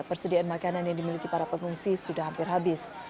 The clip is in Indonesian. persediaan makanan yang dimiliki para pengungsi sudah hampir habis